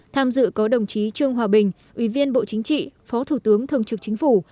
tham dự có đồng chí trương hòa bình ủy viên bộ chính trị phó thủ tướng thường trực chính phủ